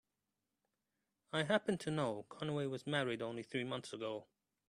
I happen to know Conway was married only three months ago.